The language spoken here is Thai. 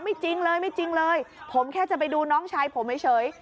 ไม่จริงเลยผมแค่จะไปดูน้องชายผมเฉย